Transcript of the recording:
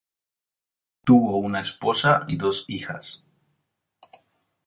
Tuvo una esposa y dos hijas.